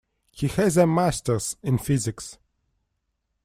He has a Masters in Physics.